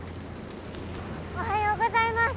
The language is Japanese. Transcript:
おはようございます。